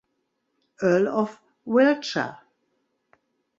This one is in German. Earl of Wiltshire.